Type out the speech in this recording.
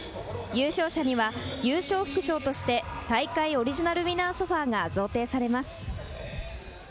優勝者には優勝副賞として大会オリジナルウィナーソファが贈呈されます。